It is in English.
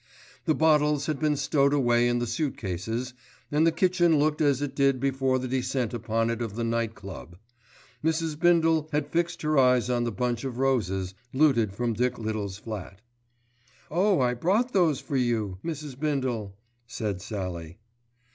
The bottles had been stowed away in the suit cases, and the kitchen looked as it did before the descent upon it of the Night Club. Mrs. Bindle had fixed her eyes on the bunch of roses, looted from Dick Little's flat. "Oh, I brought those for you, Mrs. Bindle," said Sallie.